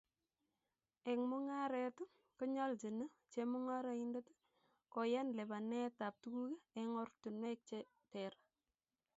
Eng mungaret konyoljin chemungaraindet kooyan lipanetab tuguk eng ortinwek che ter